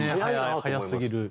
早すぎる。